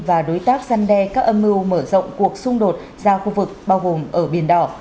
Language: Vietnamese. và đối tác gian đe các âm mưu mở rộng cuộc xung đột ra khu vực bao gồm ở biển đỏ